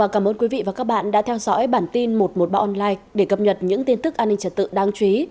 cảm ơn quý vị và các bạn đã theo dõi bản tin một trăm một mươi ba online để cập nhật những tin tức an ninh trật tự đáng chú ý